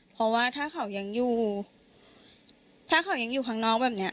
เพราะว่าถ้าเขายังอยู่ถ้าเขายังอยู่ข้างนอกแบบเนี้ย